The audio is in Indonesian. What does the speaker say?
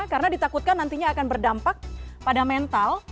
karena ditakutkan nantinya akan berdampak pada mental